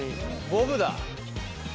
ボブだ。